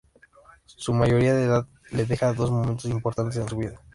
Su mayoría de edad le deja dos momentos importantes en su vida.